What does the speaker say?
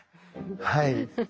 はい。